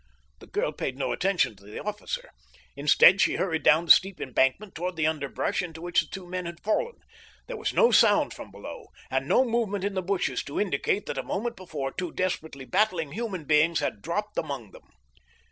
The girl paid no attention to the officer. Instead, she hurried down the steep embankment toward the underbrush into which the two men had fallen. There was no sound from below, and no movement in the bushes to indicate that a moment before two desperately battling human beings had dropped among them.